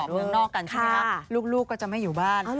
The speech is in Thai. เมืองนอกกันใช่ไหมครับค่ะลูกลูกก็จะไม่อยู่บ้านอ๋อเหรอ